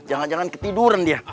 jangan jangan ketiduran dia